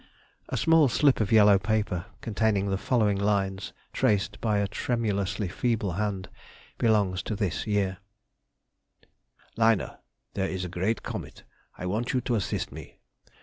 A small slip of yellow paper, containing the following lines, traced by a tremulously feeble hand, belongs to this year:— "LINA,—There is a great comet. I want you to assist me.